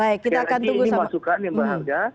ini masukkan mbak harga